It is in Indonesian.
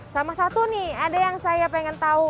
sama satu nih ada yang saya pengen tahu